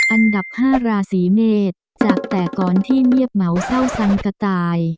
อันดับ๕ราศีเมษจากแต่ก่อนที่เงียบเหมาเศร้าสังกระต่าย